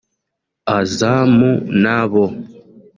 azamunabo